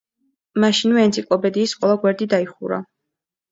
მაშინვე ენციკლოპედიის ყველა გვერდი დაიხურა.